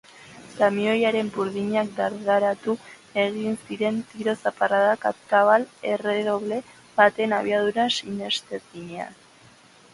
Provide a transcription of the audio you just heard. Kamioiaren burdinak dardaratu egin ziren tiro-zaparradak atabal-erredoble baten abiadura sinestezinean jo ahala.